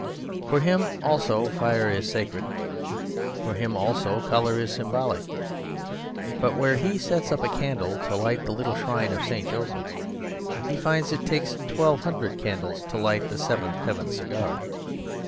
For him also fire is sacred, for him also colour is symbolic. But where he sets up a candle to light the little shrine of St. Joseph, he finds it takes twelve hundred candles to light the Seventh Heaven Cigar.